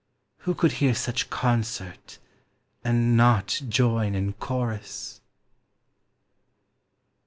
Who Could hear such concert, and do1 join in chorus?